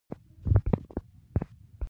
خپلو خبرو کې محتوا استفاده کوي.